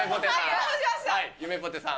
ゆめぽてさん。